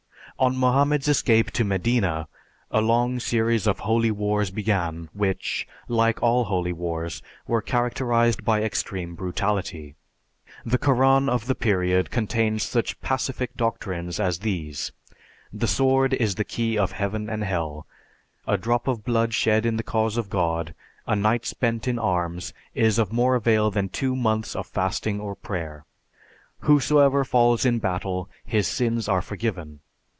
On Mohammed's escape to Medina, a long series of holy wars began which, like all holy wars, were characterized by extreme brutality. The Koran of the period contains such pacific doctrines as these: "The sword is the key of Heaven and Hell; a drop of blood shed in the cause of God, a night spent in arms is of more avail than two months of fasting or prayer; whosoever falls in battle, his sins are forgiven.